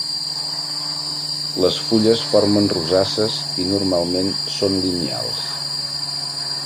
Les fulles formen rosasses i normalment són lineals.